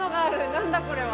何だこれは。